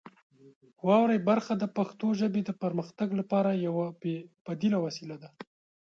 واورئ برخه د پښتو ژبې د پرمختګ لپاره یوه بې بدیله وسیله ده.